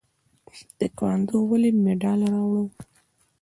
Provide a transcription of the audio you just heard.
تکواندو ولې مډال راوړ؟